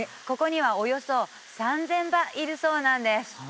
ここにはおよそ３０００羽いるそうなんです